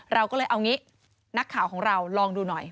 เราก็เลยเอางี้นักข่าวของเราลองดูหน่อย